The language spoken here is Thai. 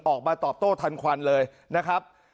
ออกมาตอบโต้ทันควันเลยนะครับ